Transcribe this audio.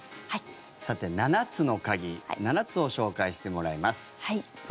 さて、７つの鍵７つを紹介してもらいます。